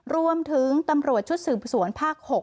รวมถึงตำรวจชุดสืบสวนภาค๖